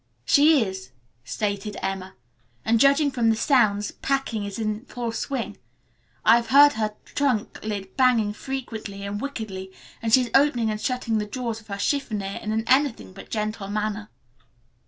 "She is," stated Emma, "and, judging from the sounds, packing is in full swing. I have heard her trunk lid banging frequently and wickedly, and she is opening and shutting the drawers of her chiffonier in an anything but gentle manner."